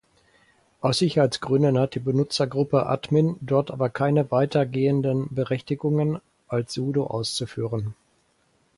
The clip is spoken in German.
Aus Sicherheitsgründen hat die Benutzergruppe "admin" dort aber keine weitergehenden Berechtigungen, als "sudo" auszuführen.